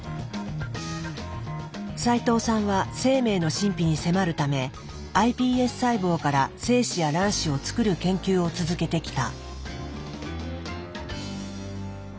斎藤さんは生命の神秘に迫るためｉＰＳ細胞から精子や卵子を作る研究を続けてきた。